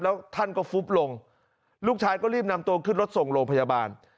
แล้วท่านก็ฟุบลงลูกชายก็รีบนำตัวขึ้นรถส่งโรงพยาบาล